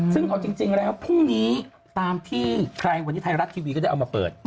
ซึ่งเอาจริงแล้วพรุ่งนี้ตามที่ใครวันนี้ไทยรัฐทีวีก็ได้เอามาเปิด